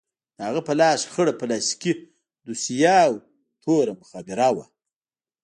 د هغه په لاس کښې خړه پلاستيکي دوسيه او توره مخابره وه.